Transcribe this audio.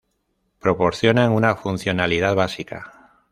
Proporcionan una funcionalidad básica.